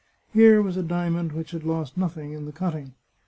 Here was a diamond which had lost nothing in the cutting.